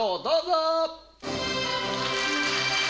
どうぞ！